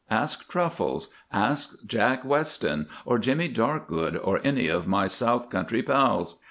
Ask Truffles, ask Jack Weston, or Jimmy Darkgood, or any of my south country pals."